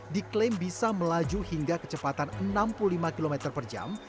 diklaim bisa melaju hingga kecepatan enam puluh lima km per jam